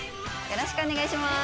よろしくお願いします。